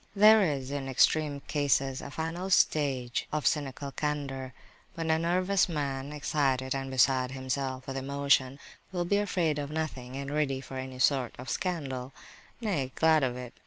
There is, in extreme cases, a final stage of cynical candour when a nervous man, excited, and beside himself with emotion, will be afraid of nothing and ready for any sort of scandal, nay, glad of it.